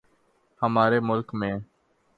ہمارے ملک میں